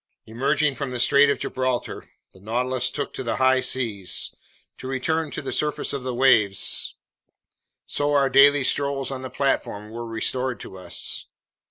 Emerging from the Strait of Gibraltar, the Nautilus took to the high seas. It returned to the surface of the waves, so our daily strolls on the platform were restored to us.